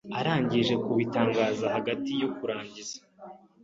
arangije kubitangaza Hagati yo kurangiza